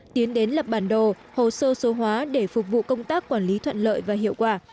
tiến đến lập bản đồ hồ sơ số hóa để phục vụ công tác quản lý thuận lợi và hiệu quả